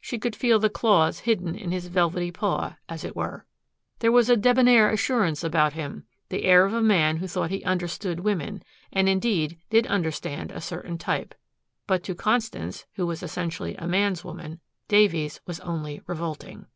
She could feel the claws hidden in his velvety paw, as it were. There was a debonnaire assurance about him, the air of a man who thought he understood women, and indeed did understand a certain type. But to Constance, who was essentially a man's woman, Davies was only revolting.